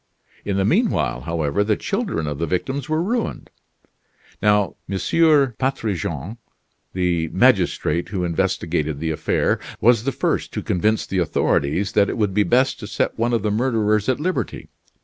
In the mean while, however, the children of the victims were ruined. Now, M. Patrigent, the magistrate who investigated the affair, was the first to convince the authorities that it would be best to set one of the murderers at liberty.